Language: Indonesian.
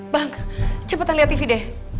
bang cepetan liat tv deh